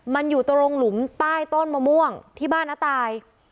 มันอยู่ตรงหลุมใต้ต้นมะม่วงที่บ้านน้าตาย